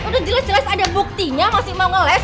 udah jelas jelas ada buktinya masih mau ngeles